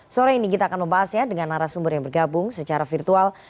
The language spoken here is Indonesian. sore ini kita akan membahasnya dengan arah sumber yang bergabung secara virtual